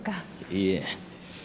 いいえ。